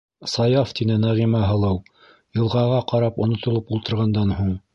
Саяф, - тине Нәғимә һылыу, йылғаға ҡарап онотолоп ултырғандан һуң.